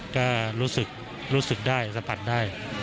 ก็รู้สึกรู้สึกได้สัมผัสได้